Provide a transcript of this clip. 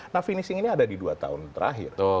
nah finishing ini ada di dua tahun terakhir